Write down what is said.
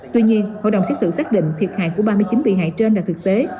tuy nhiên hội đồng xét xử xác định thiệt hại của ba mươi chín bị hại trên là thực tế